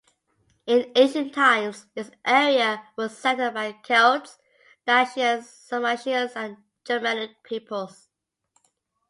In ancient times, this area was settled by Celts, Dacians, Sarmatians, and Germanic peoples.